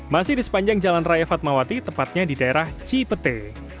masih di sepanjang jalan raya fatmawati tepatnya di daerah cipete